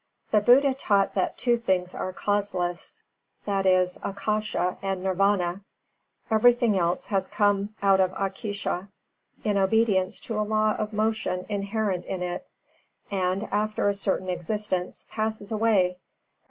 The Buddha taught that two things are causeless, viz., Ākāsha, and Nirvāna. Everything has come ont of Ākāsha, in obedience to a law of motion inherent in it, and, after a certain existence, passes away.